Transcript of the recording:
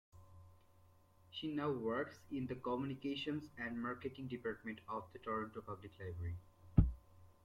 She now works in the communications and marketing department of the Toronto Public Library.